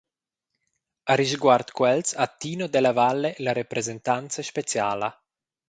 Arisguard quels ha Tino Della Valle la representanza speciala.